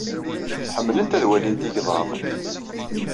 Ḥemmlent ad walint igḍaḍ.